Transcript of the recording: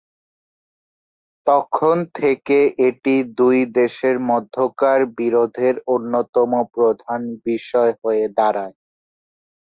তখন থেকে এটি দুই দেশের মধ্যকার বিরোধের অন্যতম প্রধান বিষয় হয়ে দাঁড়ায়।